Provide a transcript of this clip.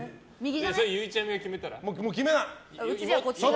それはゆうちゃみが決めたら？